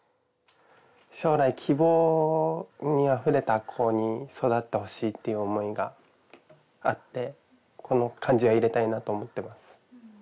将来希望にあふれた子に育ってほしいっていう思いがあってこの漢字は入れたいなと思ってます